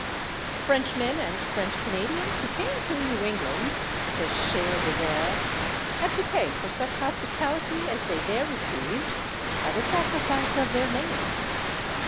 "Frenchmen and French Canadians who came to New England," says Schele de Vere, "had to pay for such hospitality as they there received by the sacrifice of their names.